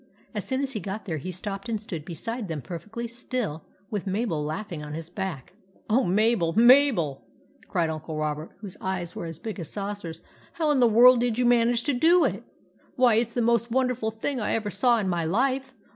As soon as he got there he stopped and stood beside them perfectly still with Mabel laughing on his back. " O Mabel, Mabel !" cried Uncle Robert, whose eyes were as big as saucers. " How in the world did you manage to do it? Why, it 's the most wonderful thing I ever saw in my life